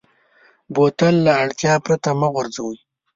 بوتل له اړتیا پرته مه غورځوه.